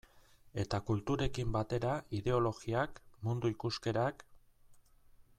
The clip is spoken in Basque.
Eta kulturekin batera ideologiak, mundu ikuskerak...